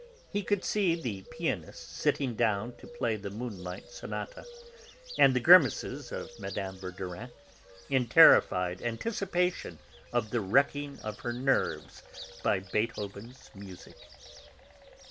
He could see the pianist sitting down to play the Moonlight Sonata, and the grimaces of Mme. Verdurin, in terrified anticipation of the wrecking of her nerves by Beethoven's music.